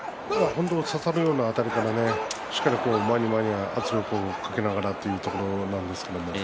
差さるようなあたりから前に前に圧力をかけながらというところなんですね。